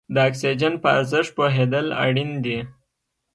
د اکسیجن په ارزښت پوهېدل اړین دي.